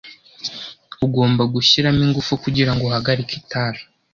Ugomba gushyiramo ingufu kugirango uhagarike itabi.